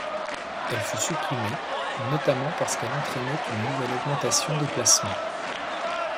Elle fut supprimée notamment parce qu'elle entraînait une nouvelle augmentation des placements.